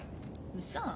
うそ。